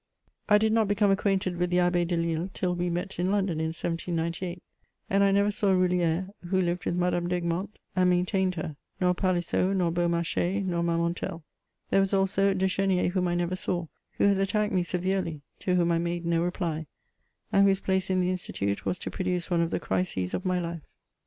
I did not become acquainted with the Abb^ Delille till we met in London in 1 798 — and I never saw Bulhi^re, who lived with Madame d'Egmont and maintained her — ^nor Palissot, nor Beaumarchais, nor Marmontel. There was also De Ch^nier whom I never saw, who has attacked me severely, to whom I made no reply, and whose place in the Institute was to produce one of the crises of mj life.